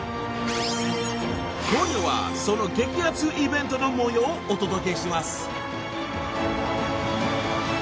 ［今夜はその激アツイベントの模様をお届けします］